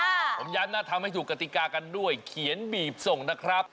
ผมย้ำนะทำให้ถูกกติกากันด้วยเขียนบีบส่งนะครับ